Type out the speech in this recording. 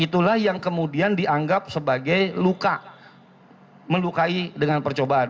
itulah yang kemudian dianggap sebagai luka melukai dengan percobaan